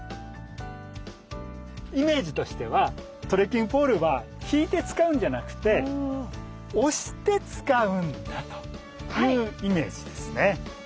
イメージとしてはトレッキングポールは引いて使うんじゃなくて押して使うんだというイメージですね。